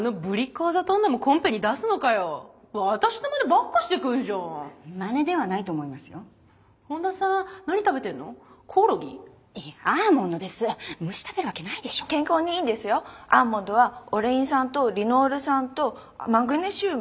アーモンドはオレイン酸とリノール酸とマグネシウム。